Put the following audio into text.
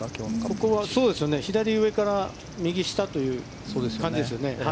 ここはそうですよね、左上から右下という感じですよね。